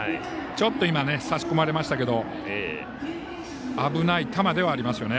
ちょっと今、差し込まれましたけど危ない球ではあります。